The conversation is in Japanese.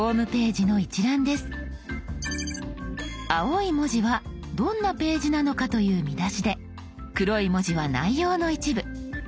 青い文字はどんなページなのかという見出しで黒い文字は内容の一部。